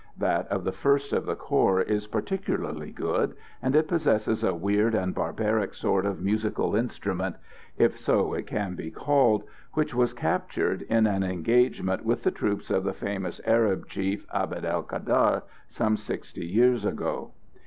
That of the first of these corps is particularly good, and it possesses a weird and barbaric sort of musical instrument if so it can be called which was captured in an engagement with the troops of the famous Arab chief Abd el Kader, some sixty years ago.